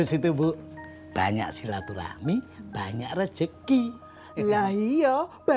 saya pulang dulu ya emak